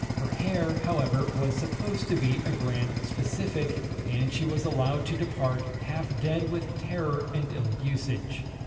Her hair, however, was supposed to be a grand specific, and she was allowed to depart, half dead with terror and ill usage.